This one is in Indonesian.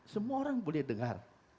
semua orang boleh dengar